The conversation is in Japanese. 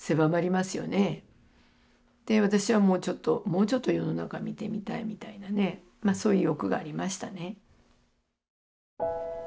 私はもうちょっと世の中見てみたいみたいなねそういう欲がありましたね。